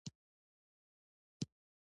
په هر پوله بنګړي مات شول.